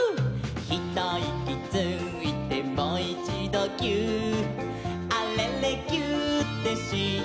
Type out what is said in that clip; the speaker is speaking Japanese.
「ひといきついてもいちどぎゅーっ」「あれれぎゅーってしたら」